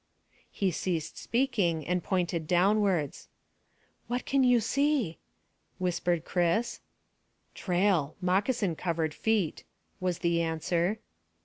He ceased speaking, and pointed downwards. "What can you see?" whispered Chris. "Trail. Moccasin covered feet," was the answer.